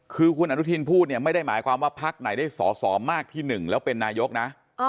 คือคุณอนุทินพูดเนี่ยไม่ได้หมายความว่าพักไหนได้สอสอมากที่๑แล้วเป็นนายกนะ